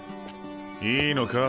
いいのか？